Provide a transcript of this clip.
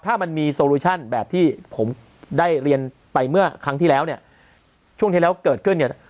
ถ้ามันมีโซลูชั่นแบบที่ผมได้เรียนไปเมื่อครั้งที่แล้วเนี่ยช่วงที่แล้วเกิดขึ้นเนี่ย